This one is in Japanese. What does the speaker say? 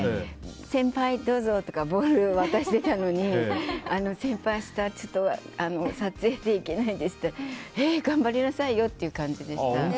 先輩どうぞ！とかボール渡してたのに先輩、明日撮影で行けないですって言ってえっ、頑張りなさいよっていう感じでした。